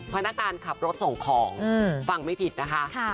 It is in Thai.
พนักงานขับรถส่งของฟังไม่ผิดนะคะ